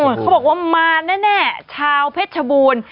เขาบอกว่ามาแน่ชาวเพชรชบูรณ์